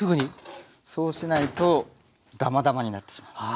そうしないとダマダマになってしまいます。